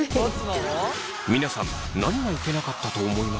皆さん何がいけなかったと思いますか？